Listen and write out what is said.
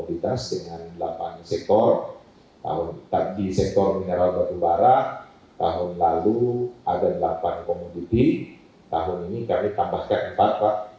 di sektor mineral batubara tahun lalu ada delapan komoditi tahun ini kami tambahkan empat pak